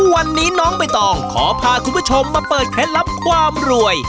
วันนี้น้องนี่ขอพาคุณผู้ชมมาเปิดแค้นล่ำความรวย